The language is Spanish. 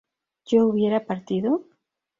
¿yo hubiera partido?